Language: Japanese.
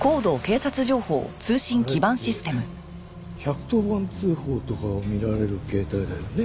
あれって１１０番通報とかを見られる携帯だよね？